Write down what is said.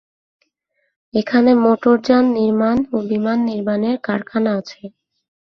এখানে মোটরযান নির্মাণ ও বিমান নির্মাণের কারখানা আছে।